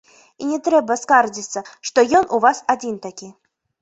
І не трэба скардзіцца, што ён у вас адзін такі.